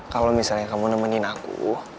kalau misalnya kamu nemenin aku